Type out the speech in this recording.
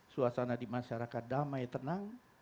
suasana di masyarakat damai tenang